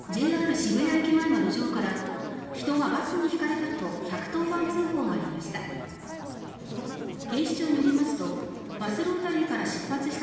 渋谷駅前の路上から人がバスにひかれたと１１０番通報がありました。